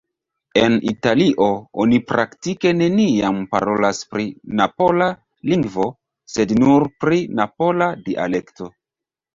En Italio, oni praktike neniam parolas pri napola "lingvo", sed nur pri napola "dialekto".